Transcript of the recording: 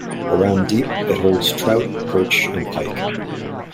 Around deep, it holds trout, perch and pike.